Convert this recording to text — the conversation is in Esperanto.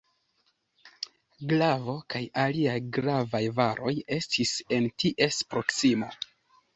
Glavo kaj aliaj gravaj varoj estis en ties proksimo.